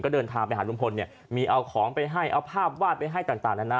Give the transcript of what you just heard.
เดินทางไปหาลุงพลเนี่ยมีเอาของไปให้เอาภาพวาดไปให้ต่างนะนะ